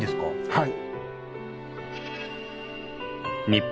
はい。